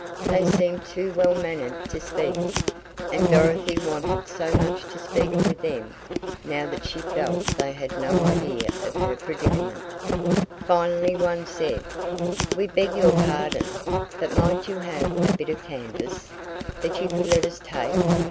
They seemed too well mannered to speak, and Dorothy wanted so much to speak with them, now that she felt they had no idea of her predicament. Finally one said: "We beg your pardon, but might you have a bit of canvas, that you could let us take?